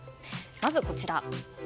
まず、こちら。